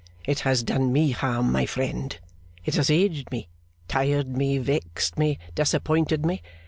'It has done me harm, my friend. It has aged me, tired me, vexed me, disappointed me.